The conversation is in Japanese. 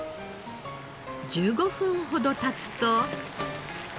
１５分ほど経つと。